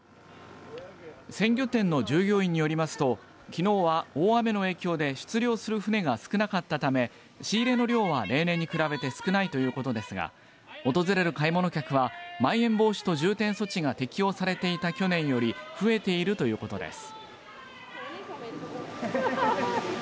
きのうは大雨の影響で出漁する船が少なかったため仕入れの量は例年に比べて少ないということですが訪れる買い物客はまん延防止等重点措置が適用されていた去年より増えているということです。